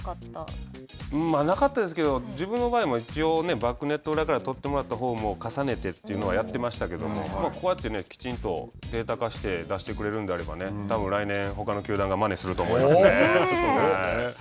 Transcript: なかったですけど自分の場合は一応、バックネット裏から撮ってもらったフォームを重ねてというのはやってましたけどもこうやってきちんとデータ化して出してくれるんであれば多分来年ほかの球団がまねすると思いますね。